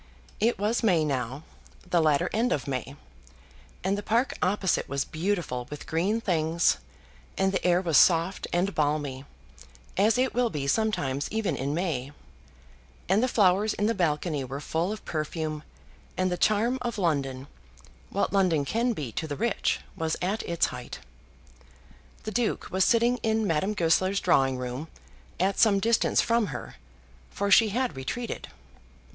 It was May now, the latter end of May, and the park opposite was beautiful with green things, and the air was soft and balmy, as it will be sometimes even in May, and the flowers in the balcony were full of perfume, and the charm of London, what London can be to the rich, was at its height. The Duke was sitting in Madame Goesler's drawing room, at some distance from her, for she had retreated.